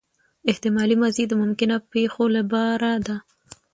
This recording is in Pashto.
احتمالي ماضي د ممکنه پېښو له پاره ده.